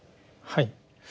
はい。